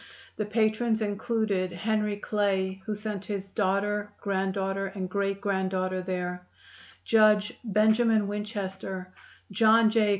The patrons included Henry Clay, who sent his daughter, granddaughter and great granddaughter there; Judge Benjamin Winchester, John J.